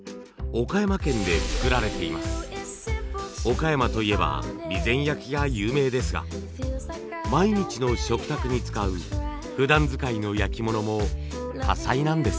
岡山といえば備前焼が有名ですが毎日の食卓に使うふだん使いの焼き物も多彩なんです。